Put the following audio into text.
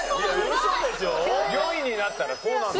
４位になったらこうなるの？